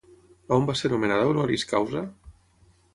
On va ser nomenada honoris causa?